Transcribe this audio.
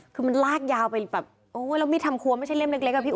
คือมันลากยาวไปแบบโอ้ยแล้วมีดทำครัวไม่ใช่เล่มเล็กอะพี่อุ